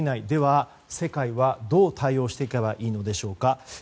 では、世界はどう対応していけばいいのでしょうか。